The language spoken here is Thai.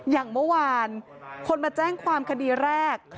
อย่างเมื่อวานคนมาแจ้งความคดีแรก